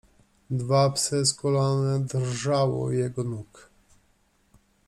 Dwa psy skulone drżały u jego nóg.